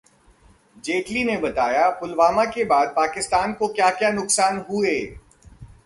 जेटली ने बताया- पुलवामा के बाद पाकिस्तान को क्या-क्या नुकसान हुए